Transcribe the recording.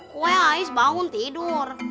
kue ais bangun tidur